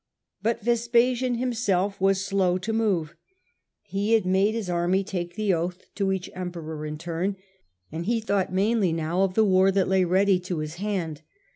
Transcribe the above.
But Vespasian himself was slow to move. He had made his army take the oath to each ^^ Emperor in turn, and he thought mainly now and he con .,.',,.,, cented with of the war that lay ready to his hand.